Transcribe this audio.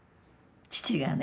父がね